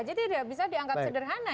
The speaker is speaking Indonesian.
jadi tidak bisa dianggap sederhana